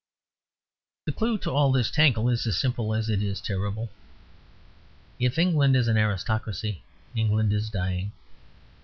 The clue to all this tangle is as simple as it is terrible. If England is an aristocracy, England is dying.